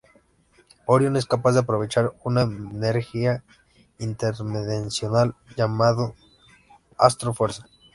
Orion es capaz de aprovechar una energía interdimensional llamada "Astro-Fuerza".